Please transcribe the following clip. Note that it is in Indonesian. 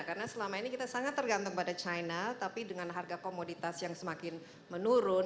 karena selama ini kita sangat tergantung pada china tapi dengan harga komoditas yang semakin menurun